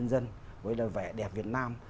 của nhân dân với vẻ đẹp việt nam